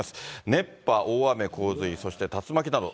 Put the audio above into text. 熱波、大雨、洪水、そして竜巻など。